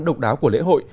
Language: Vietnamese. độc đáo của lễ hội